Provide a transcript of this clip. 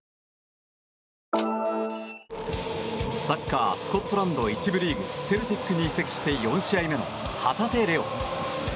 サッカースコットランド１部リーグセルティックに移籍して４試合目の旗手怜央。